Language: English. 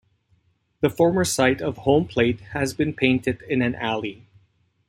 The former site of home plate has been painted in an alley.